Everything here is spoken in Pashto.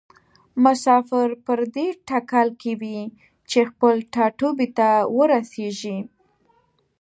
مسافر پر دې تکل کې وي چې خپل ټاټوبي ته ورسیږي.